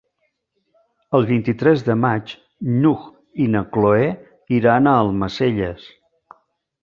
El vint-i-tres de maig n'Hug i na Cloè iran a Almacelles.